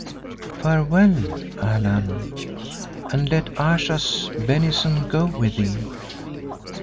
"Farewell, Allan, and let Ayesha's benison go with thee.